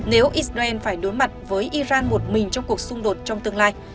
nếu israel phải đối mặt với iran một mình trong cuộc xung đột trong tương lai